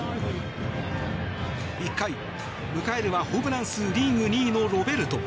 １回、迎えるはホームラン数リーグ２位のロベルト。